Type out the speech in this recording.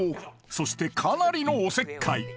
そしてかなりのおせっかい